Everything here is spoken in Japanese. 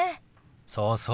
そうそう。